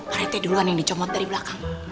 para it duluan yang dicomot dari belakang